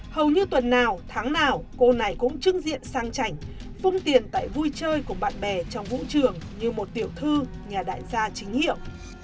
hầu như tuần nào tháng nào cô này cũng trưng diện sang chảnh phương tiền tại vui chơi của bạn bè trong vũ trường như một tiểu thư nhà đại gia chính hiệu